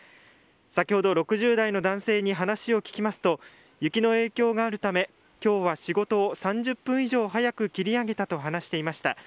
先ほど６０代の男性に話を聞きますと雪の影響があるため今日は仕事を３０分以上早く切り上げたと話していました。